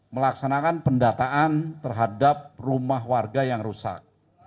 melaksanakan pendataan terhadap rumah warga yang rusak